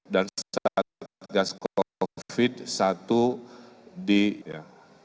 dan satgas covid sembilan belas satu di negara